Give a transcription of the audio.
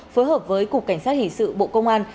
phối hợp với cục cảnh sát hình sự bộ công an